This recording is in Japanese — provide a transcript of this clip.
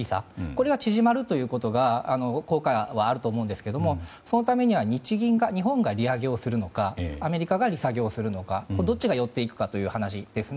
これが縮まるということには効果はあると思うんですがそのためには日本が利上げをするのかアメリカが利下げするのかどっちに寄っていくかという話です。